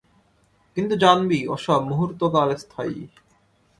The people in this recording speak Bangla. কিন্তু জানবি, ও-সব মূহূর্তকালস্থায়ী।